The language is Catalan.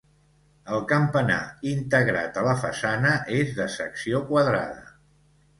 El campanar, integrat a la façana, és de secció quadrada.